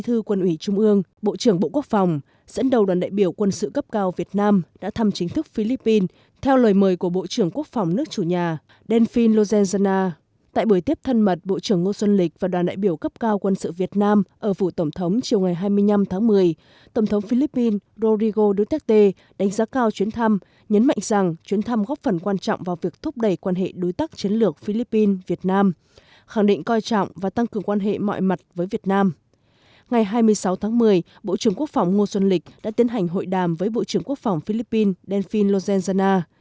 hai mươi sáu tháng một mươi bộ trưởng quốc phòng ngo xuân lịch đã tiến hành hội đàm với bộ trưởng quốc phòng philippines delfin lozenzana